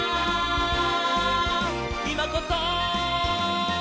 「いまこそ！」